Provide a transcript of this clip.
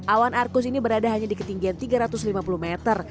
awan arkus ini berada hanya di ketinggian tiga ratus lima puluh meter